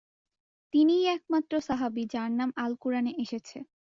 তিনিই একমাত্র সাহাবি যার নাম আল-কুরআনে এসেছে।